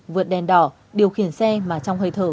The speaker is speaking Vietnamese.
vượt đèn đỏ điều khiển xe mà trong hơi thở